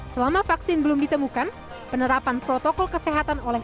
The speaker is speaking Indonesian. selama vaksin belum ditemukan penerapan protokol kesehatan oleh